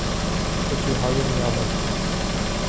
خوشیهای نیابتی